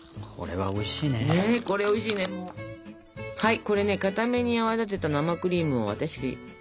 はいこれねかために泡立てた生クリームを私用意しておりますから。